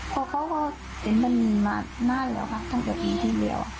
เพราะเขาก็เห็นมันมีมานานแล้วค่ะตั้งแต่ปีที่แล้ว